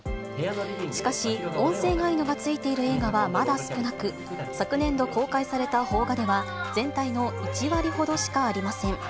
しかし、音声ガイドが付いている映画はまだ少なく、昨年度公開された邦画では、全体の１割ほどしかありません。